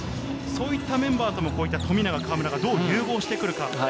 そういったメンバーとも富永、河村がどう融合してくるか。